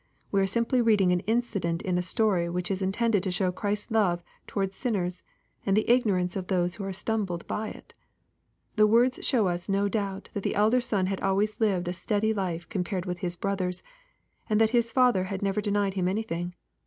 We are simply reading an inci dent in a story which is intended to show Christ's love towards sinners, and the ignorance of those who are stumbled by it. The words show us no doubt that the elder son had always lived a steady life compared to his brother's, and that his father had never denied him anything.